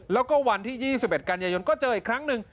แล้วก็วันที่๒๑กันยายนก็เจออีกครั้งหนึ่ง